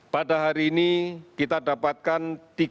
pada hari ini kita dapatkan